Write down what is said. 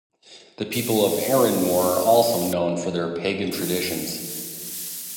The People of Arranmore are also known for their pagan traditions.